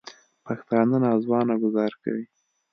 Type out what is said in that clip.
پښتانه نا ځوانه ګوزار کوي